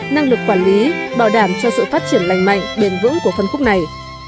năng lực quản lý bảo đảm cho sự phát triển lành mạnh bền vững của phân khúc này